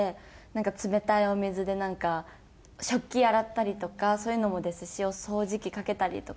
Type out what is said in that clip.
冷たいお水で食器洗ったりとかそういうのもですし掃除機かけたりとか。